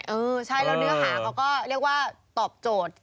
เออใช่แล้วเนื้อหาเขาก็เรียกว่าตอบโจทย์